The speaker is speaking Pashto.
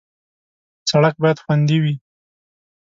سړک باید خوندي وي.